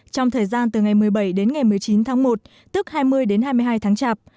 trong thời gian từ ngày một mươi bảy đến ngày một mươi chín tháng một tức hai mươi đến hai mươi hai tháng chạp